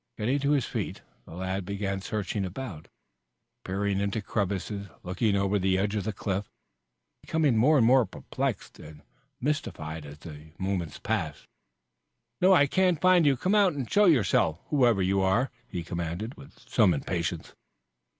Getting to his feet the lad began searching about, peering into crevices, looking over the edge of the cliff, becoming more and more perplexed and mystified as the moments passed. "No, I can't find you. Come out and show yourself, whoever you are," he commanded, with some impatience.